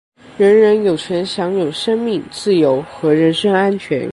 人人有权享有生命、自由和人身安全。